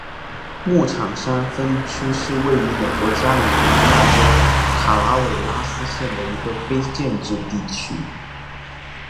牧场山分区是位于美国加利福尼亚州卡拉韦拉斯县的一个非建制地区。